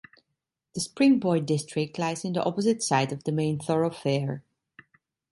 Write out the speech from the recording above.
The Springboig district lies on the opposite side of the main thoroughfare.